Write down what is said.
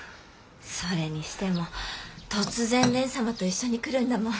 それにしても突然蓮様と一緒に来るんだもん。